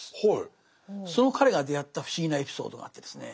その彼が出会った不思議なエピソードがあってですね